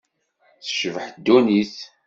Tecbeḥ ddunit.